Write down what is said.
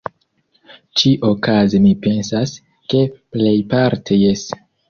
Ĉi-okaze mi pensas, ke plejparte jes.